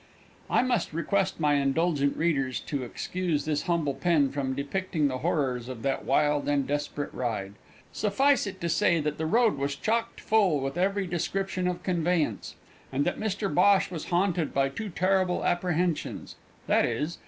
I must request my indulgent readers to excuse this humble pen from depicting the horrors of that wild and desperate ride. Suffice it to say that the road was chocked full with every description of conveyance, and that Mr Bhosh was haunted by two terrible apprehensions, viz.